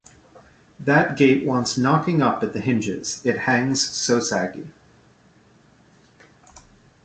That gate wants knocking up at the hinges, it hangs so saggy.